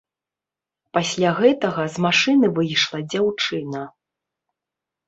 Пасля гэтага з машыны выйшла дзяўчына.